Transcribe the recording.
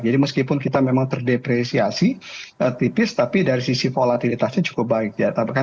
jadi meskipun kita memang terdepresiasi tipis tapi dari sisi volatilitasnya cukup baik